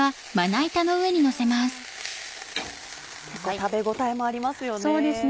食べ応えもありますよね。